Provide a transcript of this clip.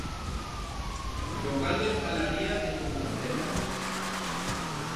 Local de hostalaría en Compostela.